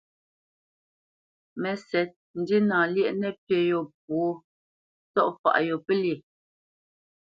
Mə́sɛ̌t, ndína lyéʼ nəpí yô pwô, ntsɔ̂faʼ yô pə́lyê.